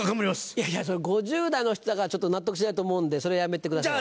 いやいや５０代の人が納得しないと思うんでそれはやめてください。